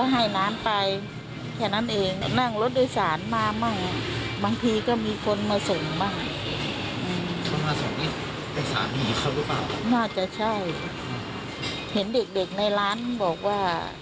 เห็นเด็กในร้านบอกว่า